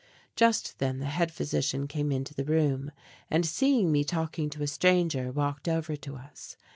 Just then the head physician came into the room and seeing me talking to a stranger walked over to us.